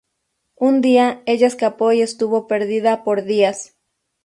Un día ella escapó y estuvo perdida por días.